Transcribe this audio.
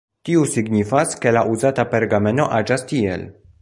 Tiu signifas, ke la uzata pergameno aĝas tiel.